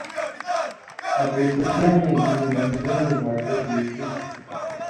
ابُوسُفیانے گی نی بنژَئیں وعدہ دیُوژِلیۡ،